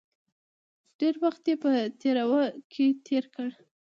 ډېر وخت یې په تیراه کې تېر کړ.